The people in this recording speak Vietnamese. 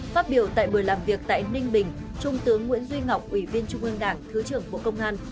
phát biểu tại buổi làm việc tại ninh bình trung tướng nguyễn duy ngọc ủy viên trung ương đảng thứ trưởng bộ công an